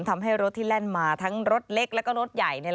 ทำให้รถที่แล่นมาทั้งรถเล็กแล้วก็รถใหญ่